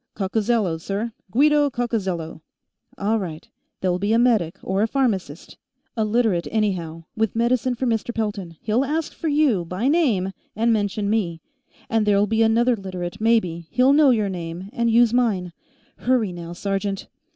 "Coccozello, sir. Guido Coccozello." "All right. There'll be a medic or a pharmacist a Literate, anyhow with medicine for Mr. Pelton. He'll ask for you, by name, and mention me. And there'll be another Literate, maybe; he'll know your name, and use mine. Hurry, now, sergeant."